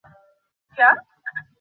সাহেব বেত উঁচাইবামাত্র সকলে দৌড় দিল।